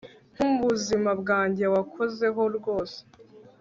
nkubuzima bwanjye wakozeho rwose